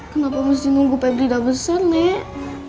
kenapa musti nunggu pebri udah besar nek